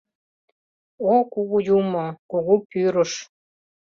— О Кугу Юмо, Кугу Пӱрыш!..